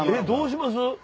どうします？